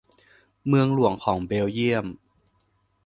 เมืองหลวงของเบลเยี่ยม